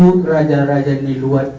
untuk raja raja luar